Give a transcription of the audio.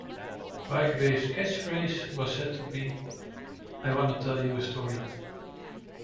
Bygraves' catchphrase was said to be: "I wanna tell you a story".